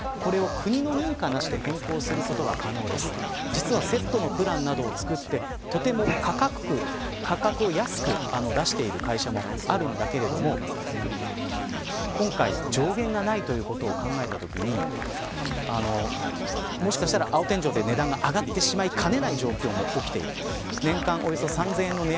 実はセットのプランなどを作ってとても価格を安く出している会社もあるんだけど今回、上限がないということを考えたときにもしかしたら青天井で値段が上がってしまいかねない状況もきている。